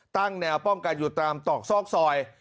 ตั้งแนวป้องกันอยู่ตามตอกซอกซอย